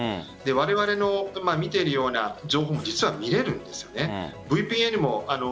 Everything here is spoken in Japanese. われわれの見ているような情報も実は見れるんですよね。